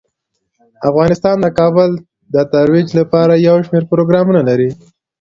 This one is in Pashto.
افغانستان د کابل د ترویج لپاره یو شمیر پروګرامونه لري.